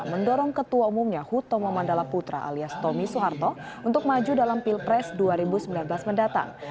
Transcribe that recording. mendorong ketua umumnya hutomo mandala putra alias tommy soeharto untuk maju dalam pilpres dua ribu sembilan belas mendatang